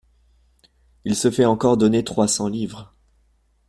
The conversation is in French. Il se fait encore donner trois cents livres.